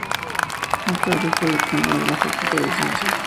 Más tarde fue Decano de la Facultad de Ciencias.